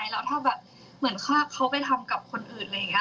แล้วถ้าแบบเหมือนเขาไปทำกับคนอื่นอะไรอย่างนี้